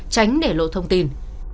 tránh để lộ thông tin